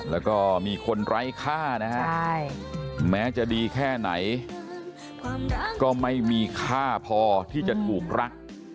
แล้วก็มีคนไร้ค่านะฮะแม้จะดีแค่ไหนก็ไม่มีค่าพอที่จะถูกรัก